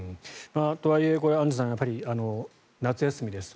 とはいえアンジュさん夏休みです。